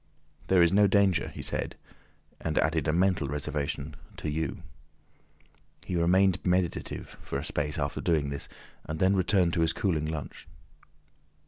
"There is no danger," he said, and added a mental reservation, "to you." He remained meditative for a space after doing this, and then returned to his cooling lunch.